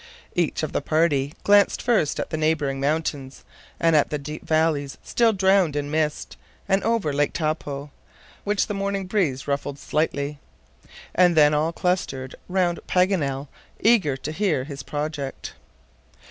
Each of the party glanced first at the neighboring mountains, and at the deep valleys still drowned in mist, and over Lake Taupo, which the morning breeze ruffled slightly. And then all clustered round Paganel eager to hear his project.